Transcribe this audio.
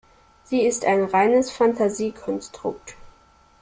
Sie ist ein reines Fantasiekonstrukt.